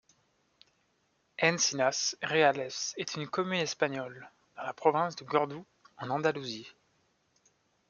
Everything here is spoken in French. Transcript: Encinas Reales est une commune espagnole, dans la province de Cordoue en Andalousie.